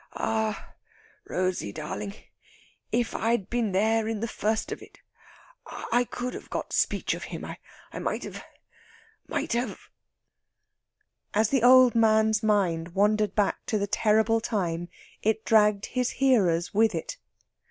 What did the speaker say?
Ah, Rosey darling! if I'd been there in the first of it ... I could have got speech of him. I might have ... might have...." As the old man's mind wandered back to the terrible time it dragged his hearer's with it.